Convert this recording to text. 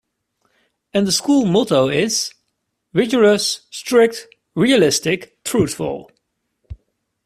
And the school motto is "Rigorous, Strict, Realistic, Truthful".